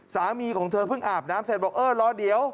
สามีของเธอเพิ่งอาบน้ำเสร็จบอกเออรอเดี๋ยว